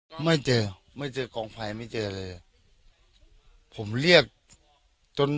ไม่เจอไม่เจอกองไฟไม่เจอเลยผมเรียกจน